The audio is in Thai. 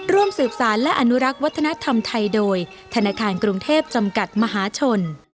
ร่วมสืบสารและอนุรักษ์วัฒนธรรมไทยโดยธนาคารกรุงเทพจำกัดมหาชน